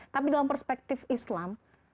tapi dalam perspektif islam